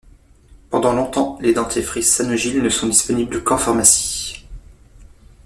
Pendant longtemps, les dentifrices Sanogyl ne sont disponibles qu’en pharmacie.